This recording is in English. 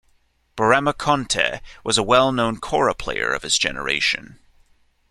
Burama Konteh was a well known kora player of his generation.